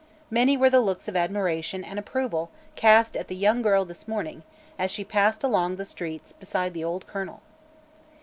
Many were the looks of admiration and approval cast at the young girl this morning as she passed along the streets beside the old colonel.